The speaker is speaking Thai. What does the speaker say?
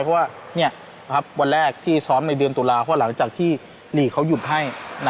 เพราะว่าวันแรกที่ซ้อมในเดือนตุลาเพราะหลังจากที่นี่เขาหยุดให้